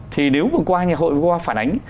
thì nếu mà qua nhà hội qua phản ánh